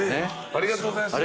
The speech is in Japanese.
ありがとうございます。